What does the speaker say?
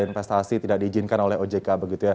investasi tidak diizinkan oleh ojk